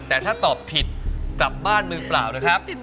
แต่ถ้าตอบผิดกลับบ้านมือเปล่านะครับ